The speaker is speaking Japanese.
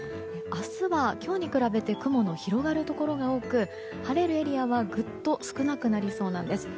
明日は今日に比べて雲の広がるところが多く晴れるエリアはずっと少なくなりそうです。